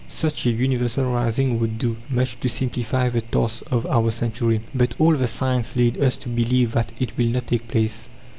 Such a universal rising would do much to simplify the task of our century. But all the signs lead us to believe that it will not take place.